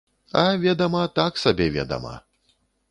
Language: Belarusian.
А, ведама, так сабе, ведама.